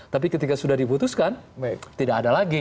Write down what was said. tapi ketika sudah diputuskan tidak ada lagi